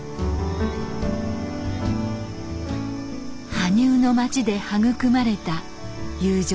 羽生の町で育まれた友情です。